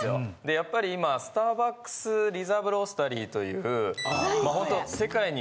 やっぱり今スターバックスリザーブロースタリーというほんと。